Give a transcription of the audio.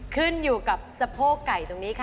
ขึ้นอยู่กับสะโพกไก่ตรงนี้ค่ะ